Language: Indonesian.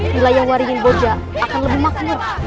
wilayah waringin boja akan lebih makmur